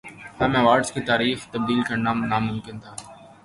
ہم ایوارڈز کی تاریخ تبدیل کرنا ناممکن تھا